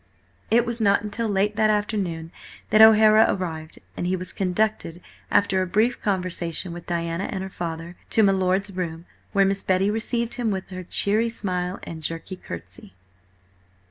It was not until late that afternoon that O'Hara arrived, and he was conducted, after a brief conversation with Diana and her father, to my lord's room, where Miss Betty received him with her cheery smile and jerky curtsey.